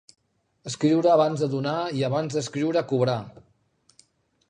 Escriure abans de donar i abans d'escriure, cobrar.